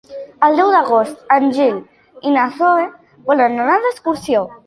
El deu d'agost en Gil i na Zoè volen anar d'excursió.